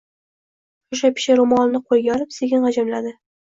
shosha-pisha roʼmolini qoʼliga olib, sekin gʼijimladi.